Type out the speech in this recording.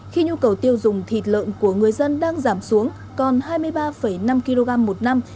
khi nhu cầu tiêu dùng thịt lợn của người dân đang giảm xuống còn hai mươi ba năm kg một năm